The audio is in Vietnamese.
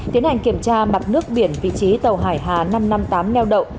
tiến hành kiểm tra mặt nước biển vị trí tàu hải hà năm trăm năm mươi tám neo đậu